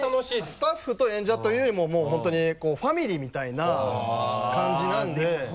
スタッフと演者というよりももう本当にこうファミリーみたいな感じなので。